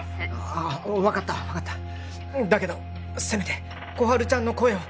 ああ分かった分かっただけどせめて心春ちゃんの声を